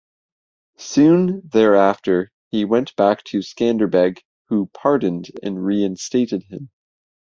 Soon thereafter, he went back to Skanderbeg, who pardoned and reinstated him.